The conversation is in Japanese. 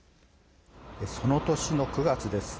その年の９月です。